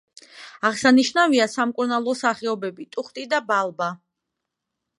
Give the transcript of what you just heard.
აღსანიშნავია სამკურნალო სახეობები ტუხტი და ბალბა.